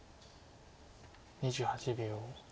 ２８秒。